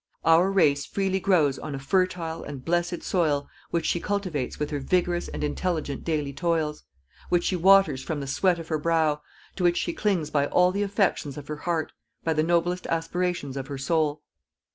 Our race freely grows on a fertile and blessed soil which she cultivates with her vigorous and intelligent daily toils, which she waters from the sweat of her brow, to which she clings by all the affections of her heart, by the noblest aspirations of her soul.